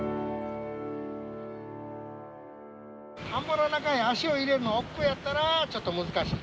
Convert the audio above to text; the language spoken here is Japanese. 田んぼの中へ足を入れるのおっくうやったらちょっと難しい。